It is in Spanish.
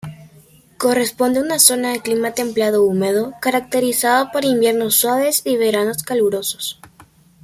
Corresponde a una zona de clima templado-húmedo caracterizado por inviernos suaves y veranos calurosos.